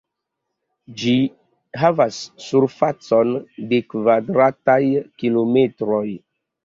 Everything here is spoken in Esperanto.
Ĝi havas surfacon de kvadrataj kilometroj.